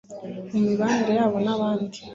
mu mibanire yabo n’abandi